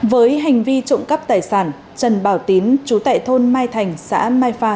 với hành vi trộm cắp tài sản trần bảo tín chú tại thôn mai thành xã mai pha